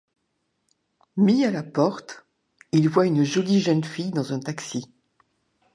Mis à la porte, il voit une jolie jeune fille dans un taxi.